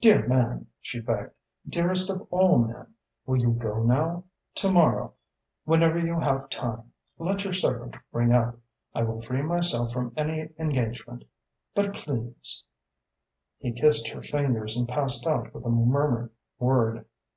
"Dear man," she begged, "dearest of all men will you go now? To morrow whenever you have time let your servant ring up. I will free myself from any engagement but please!" He kissed her fingers and passed out with a murmured word.